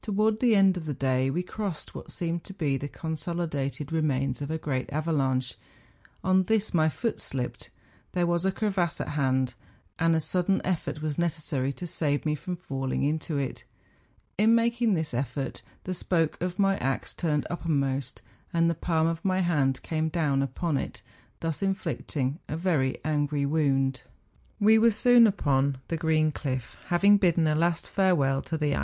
Towards the end of the day we crossed what seemed to be the consolidated re¬ mains of a great avalanche ; on this my foot slipped ; there was a crevasse at hand, and a sudden effott was necessary to save me from falling into it. In making this effort, the spoke of my axe turned uppermost, and the palm of my hand came down upon it, thus inflicting a very angry wound. We were soon upon the green cliff, having bidden a last farewell to the THE FINSTERAARHORN.